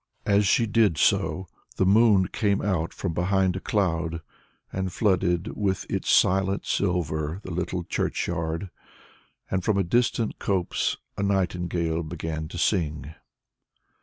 As she did so, the moon came out from behind a cloud, and flooded with its silent silver the little churchyard, and from a distant copse a nightingale began to sing.